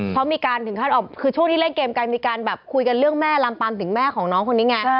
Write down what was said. เพราะมีการถึงขั้นออกคือช่วงที่เล่นเกมกันมีการแบบคุยกันเรื่องแม่ลำปามถึงแม่ของน้องคนนี้ไง